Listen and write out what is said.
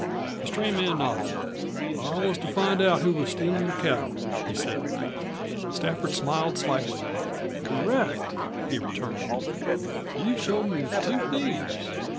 The stray man nodded. "I was to find out who was stealin' your cattle," he said. Stafford smiled slightly. "Correct!" he returned. "You've showed me two thieves.